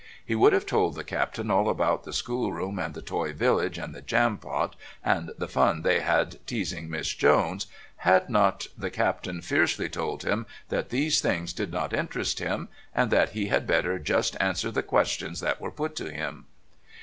He would have told the Captain all about the schoolroom and the toy village and the Jampot and the fun they had had teasing Miss Jones had not, the Captain fiercely told him that these things did not interest him, and that he had better just answer the questions that were put to him.